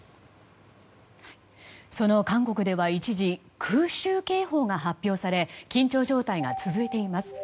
その韓国では一時、空襲警報が発表され緊張状態が続いています。